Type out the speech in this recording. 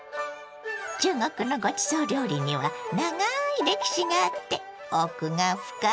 中国のごちそう料理にはながい歴史があって奥が深いわね。